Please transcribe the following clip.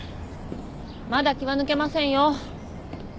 まだ気は抜けませんよ。